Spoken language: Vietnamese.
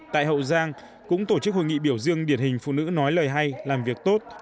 tại hậu giang cũng tổ chức hội nghị biểu dương điển hình phụ nữ nói lời hay làm việc tốt